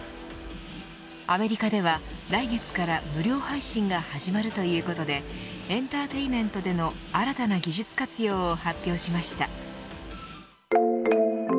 アメリカでは来月から無料配信が始まるということでエンターテインメントでの新たな技術活用を発表しました。